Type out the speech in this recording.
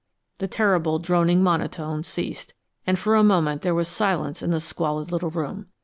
The terrible, droning monotone ceased, and for a moment there was silence in the squalid little room.